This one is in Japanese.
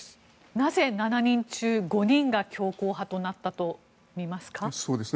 なぜ７人中５人が強硬派となったと見ますか。